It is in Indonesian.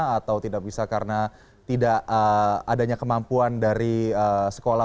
atau tidak bisa karena tidak adanya kemampuan dari sekolah